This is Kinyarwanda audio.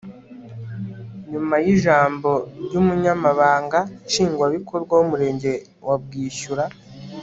nyuma y'ijambo ry'umunyamabanga nshingwabikorwa w'umurenge wa bwishyura